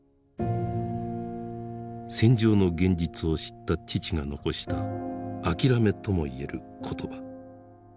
戦場の現実を知った父が残した諦めとも言える言葉。